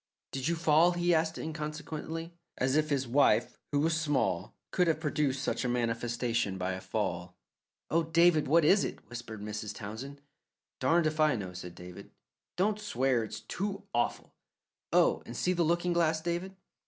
"Did you fall?" he asked inconsequently, as if his wife, who was small, could have produced such a manifestation by a fall. "Oh, David, what is it?" whispered Mrs. Townsend. "Darned if I know!" said David. "Don't swear. It's too awful. Oh, see the looking glass, David!"